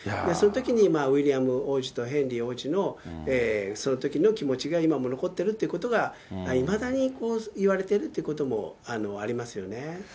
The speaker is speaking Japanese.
そういうときにウィリアム王子とヘンリー王子のそのときの気持ちが、今も残ってるということが、いまだにいわれてるっていうこともありますよね。